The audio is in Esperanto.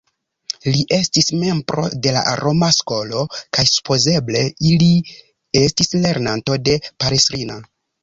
Li estis membro de la Roma Skolo, kaj supozeble li estis lernanto de Palestrina.